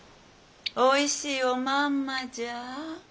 おいしいおまんまじゃ。